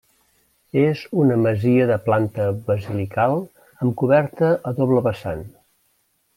És una masia de planta basilical amb coberta a doble vessant.